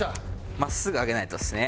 真っすぐ上げないとですね。